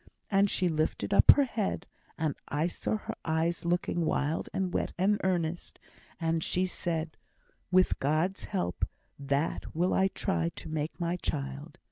And she lifted up her head, and I saw her eyes looking wild and wet and earnest, and she said, 'With God's help, that will I try to make my child.'